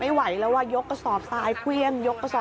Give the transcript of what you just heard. ไม่ไหวแล้วว่ายกกษอบซายเพวย่ม